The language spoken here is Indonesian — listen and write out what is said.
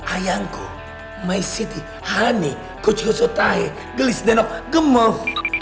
ayangku maistri hani kucukusutahe gelisdenok gemuh